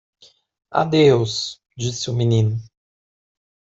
"Adeus?" disse o menino.